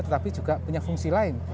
tetapi juga punya fungsi lain